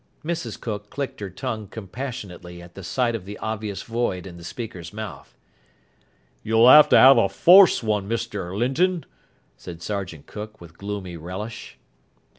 Mrs Cook clicked her tongue compassionately at the sight of the obvious void in the speaker's mouth. "You'll 'ave to 'ave a forlse one, Mr Linton," said Sergeant Cook with gloomy relish.